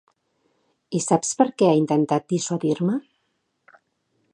I saps per què ha intentat dissuadir-me?